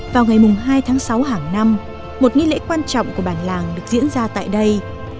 vào ngày hai tháng sáu hàng năm một nghi lễ quan trọng của bản làng được diễn ra tại đây